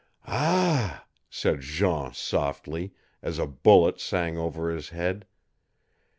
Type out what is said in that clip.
"Ah!" said Jean softly, as a bullet sang over his head.